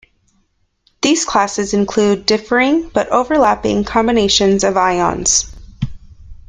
These classes include differing, but overlapping, combinations of ions.